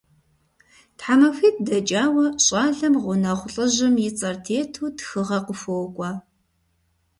ТхьэмахуитӀ дэкӀауэ щӀалэм гъунэгъу лӀыжьым и цӀэр тету тхыгъэ къыхуокӀуэ.